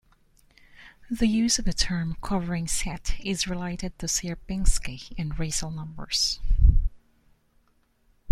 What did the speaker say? The use of the term "covering set" is related to Sierpinski and Riesel numbers.